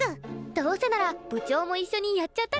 どうせなら部長も一緒にやっちゃったら？